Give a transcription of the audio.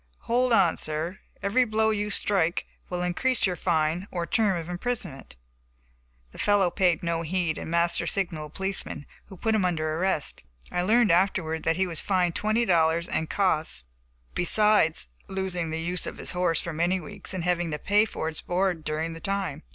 "Hold on, sir, every blow you strike will increase your fine or term of imprisonment." The fellow paid no heed, and Master signaled a policeman, who put him under arrest. I learned afterward that he was fined twenty dollars and costs, besides losing the use of his horse for many weeks and having to pay for its board during the time.